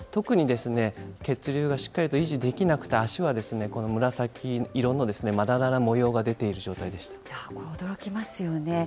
特に血流がしっかりと維持できなくて、足はこの紫色のまだらな模驚きますよね。